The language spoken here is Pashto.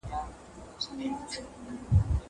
زه به سبا درسونه لوستل کوم.